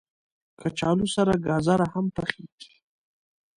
کچالو سره ګازر هم پخېږي